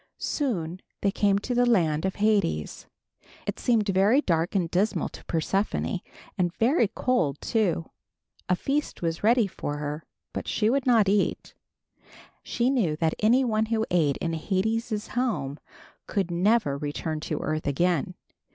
Soon they came to the land of Hades. It seemed very dark and dismal to Persephone, and very cold, too. A feast was ready for her, but she would not eat. She knew that any one who ate in Hades' home could never return to earth again.